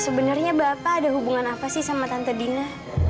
sebenarnya bapak ada hubungan apa sih sama tante dina